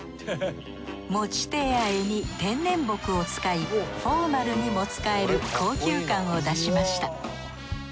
持ち手や柄に天然木を使いフォーマルにも使える高級感を出しました。